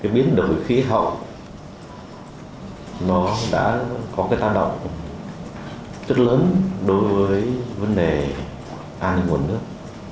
biến đổi khí hậu đã có tác động rất lớn đối với vấn đề an nguồn nước